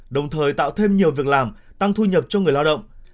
đồng thời tạo thêm nhiều việc làm tăng thu nhập cho người lao động